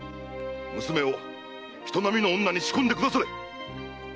娘を人並みの女に仕込んでくだされ！